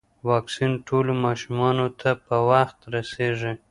واکسین ټولو ماشومانو ته په وخت رسیږي.